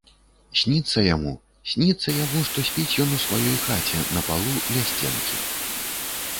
Сніцца яму, сніцца яму, што спіць ён у сваёй хаце, на палу ля сценкі.